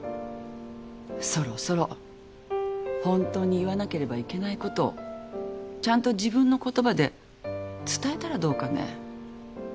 そろそろホントに言わなければいけないことをちゃんと自分の言葉で伝えたらどうかね？